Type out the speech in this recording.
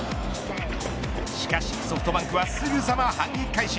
しかしソフトバンクはすぐさま反撃開始。